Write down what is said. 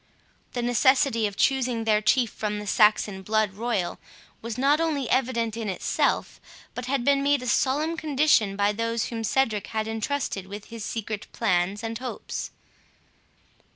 The necessity of choosing their chief from the Saxon blood royal was not only evident in itself, but had been made a solemn condition by those whom Cedric had intrusted with his secret plans and hopes.